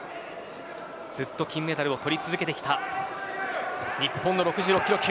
ずっと金メダルを取り続けてきた日本の６６キロ級。